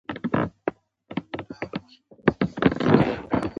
د نړۍ ځینې ژوي یوازې په ځنګلونو کې ژوند کوي.